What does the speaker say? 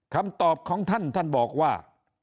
คำตอบของท่านท่านบอกว่า